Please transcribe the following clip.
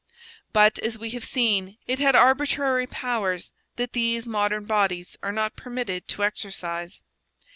But, as we have seen, it had arbitrary powers that these modern bodies are not permitted to exercise.